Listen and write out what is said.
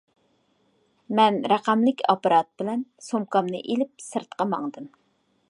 مەن رەقەملىك ئاپپارات بىلەن سومكامنى ئېلىپ سىرتقا ماڭدىم.